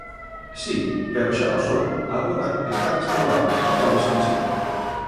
Si, pero xa pasou, agora está restaurado e pódese visitar.